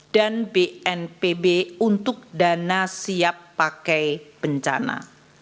dan bnpb untuk dana siap pakai bencana